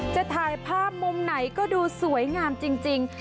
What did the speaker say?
จะถ่ายภาพมุมไหนก็ดูสวยงามจริง